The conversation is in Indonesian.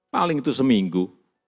paling itu seminggu